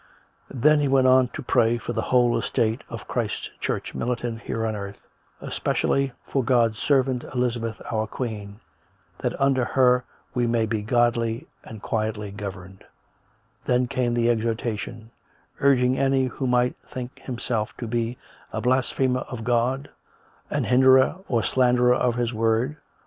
Then he went on to pray for the whole estate of Christ's Church militant here on earth, especially for God's " serv ant, Elizabeth our Queen, that under her we may be godly and quietly governed"; then came the exhortation, urging any who might think himself to be " a blasphemer of God, an hinderer or slanderer of His Word